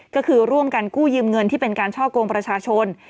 ก็คือร่วมกันกู้ยืมเงินที่เป็นการช่อกงประชาชน